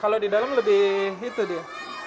kalau di dalam lebih itu dia